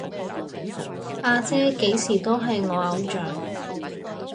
阿姐幾時都係我偶像